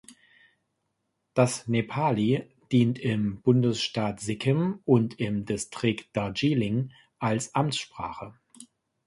Das Nepali dient im Bundesstaat Sikkim und im Distrikt Darjeeling als Amtssprache.